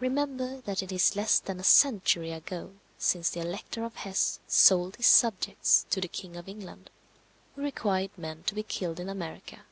Remember that it is less than a century ago since the Elector of Hesse sold his subjects to the King of England, who required men to be killed in America.